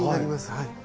はい。